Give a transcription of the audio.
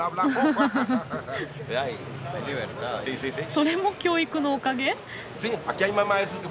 それも教育のおかげ？